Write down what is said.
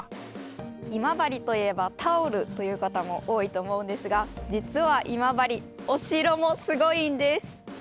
今治といえば「タオル」という方も多いと思うんですが実は今治お城もすごいんです！